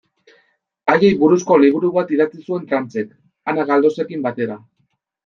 Haiei buruzko liburu bat idatzi zuen Tranchek, Ana Galdosekin batera.